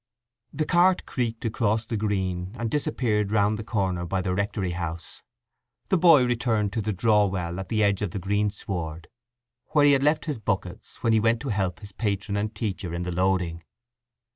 The cart creaked across the green, and disappeared round the corner by the rectory house. The boy returned to the draw well at the edge of the greensward, where he had left his buckets when he went to help his patron and teacher in the loading.